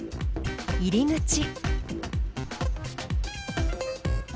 入り口。